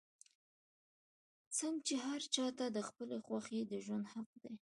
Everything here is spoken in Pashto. څنګ چې هر چا ته د خپلې خوښې د ژوند حق دے